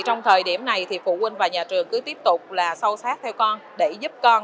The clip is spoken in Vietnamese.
trong thời điểm này phụ huynh và nhà trường cứ tiếp tục sâu sát theo con để giúp con